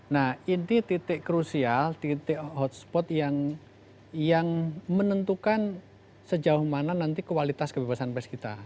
nah ini titik krusial titik hotspot yang menentukan sejauh mana nanti kualitas kebebasan pers kita